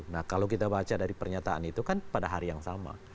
nah kalau kita baca dari pernyataan itu kan pada hari yang sama